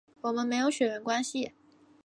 我们没有血缘关系